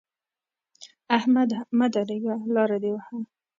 احمده! مه درېږه؛ لاره دې وهه.